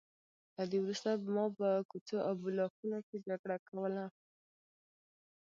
له دې وروسته ما په کوڅو او بلاکونو کې جګړه کوله